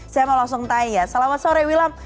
saya mau langsung tanya selamat sore wilam